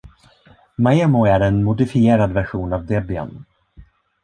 Maemo är en modifierad version av Debian.